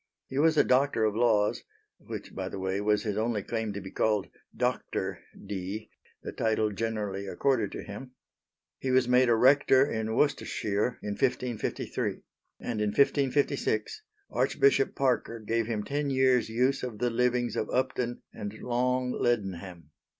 He was a Doctor of Laws (which by the way was his only claim to be called "Doctor" Dee, the title generally accorded to him). He was made a rector in Worcestershire in 1553; and in 1556, Archbishop Parker gave him ten years' use of the livings of Upton and Long Leadenham.